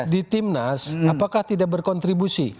di timnas apakah tidak berkontribusi